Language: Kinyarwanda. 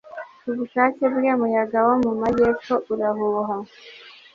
ku bushake bwe, umuyaga wo mu majyepfo urahuha